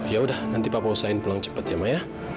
yaudah nanti papa usahain pulang cepat ya maya